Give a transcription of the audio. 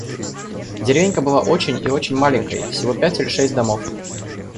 Деревенька была очень и очень маленькой, всего пять или шесть домов.